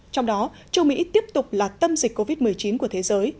trong đó châu mỹ tiếp tục là tâm dịch covid một mươi chín của thế giới